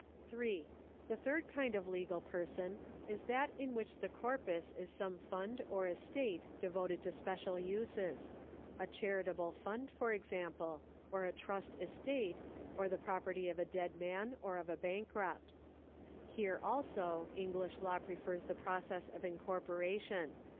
3. The third kind of legal person is that in which the corpus is some fund or estate devoted to special uses — a charitable fund, for example, or a trust estate, or the property of a dead man or of a bankrupt. Here, also, English law prefers the process of incorporation.